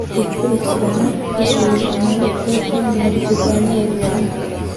ikurikirana n'isuzumabikorwa mu kurwanya ubukene